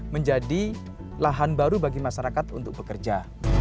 menjadi lahan baru bagi masyarakat untuk bekerja